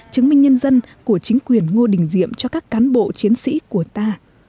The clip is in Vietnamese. chứng minh nhân dân của chính quyền ngô đình diệm cho các cán bộ chiến sĩ của ta